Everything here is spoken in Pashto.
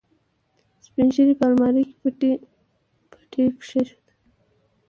سپينږيري په المارۍ کې پټۍ کېښوده.